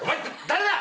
誰だ？